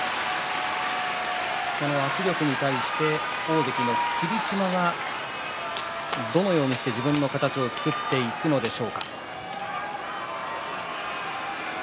圧力に対して大関の霧島がどのように自分の形を作っていくのでしょうか。